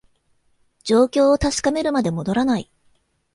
状況を確かめるまで戻らない